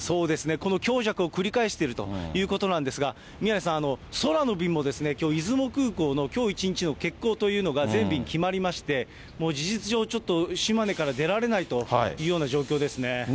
この強弱を繰り返しているということなんですが、宮根さん、空の便もですね、きょう、出雲空港のきょう一日の欠航というのが、全便決まりまして、もう事実上、ちょっと島根から出られないというような状況ですね。